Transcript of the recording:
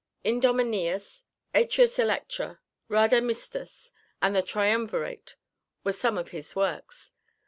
Idomeneus, Atreus Electra, Rhadamistus, and the Triumvirate were some of his works.